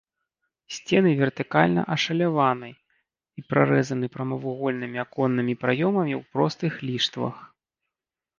Сцены вертыкальна ашаляваны і прарэзаны прамавугольнымі аконнымі праёмамі ў простых ліштвах.